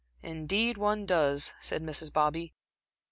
"Indeed one does," said Mrs. Bobby.